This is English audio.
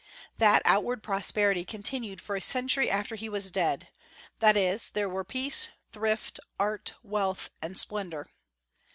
That outward prosperity continued for a century after he was dead, that is, there were peace, thrift, art, wealth, and splendor.